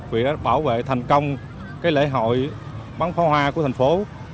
vì đã bảo vệ thành công lễ hội bắn pháo hoa của thành phố